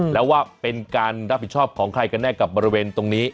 แล้วว่าเป็นการรับผิดชอบของใครกันแน่กับบริเวณตรงนี้